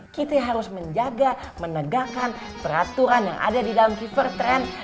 kita harus menjaga menegakkan peraturan yang ada di dalam keevertran